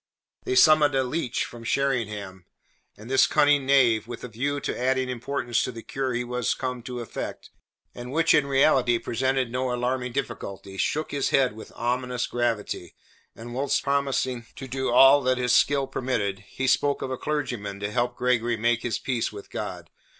They summoned a leech from Sheringham, and this cunning knave, with a view to adding importance to the cure he was come to effect, and which in reality presented no alarming difficulty, shook his head with ominous gravity, and whilst promising to do "all that his skill permitted," he spoke of a clergyman to help Gregory make his peace with God.